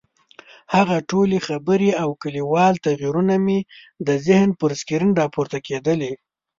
هغه ټولې خبرې او کلیوال تعبیرونه مې د ذهن پر سکرین راپورته کېدلې.